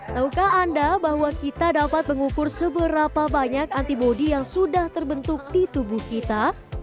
taukah anda bahwa kita dapat mengukur seberapa banyak antibody yang sudah terbentuk di tubuh kita